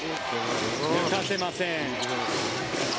抜かせません。